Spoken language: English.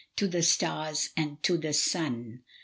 To the stars and to the sun.